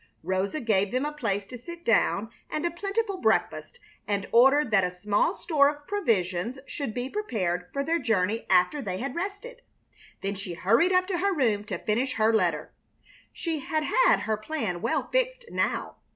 Rosa gave them a place to sit down and a plentiful breakfast, and ordered that a small store of provisions should be prepared for their journey after they had rested. Then she hurried up to her room to finish her letter. She had her plan well fixed now.